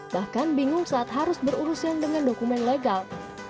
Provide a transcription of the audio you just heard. bahkan bingung saat harus berurusan dengan dokumen legal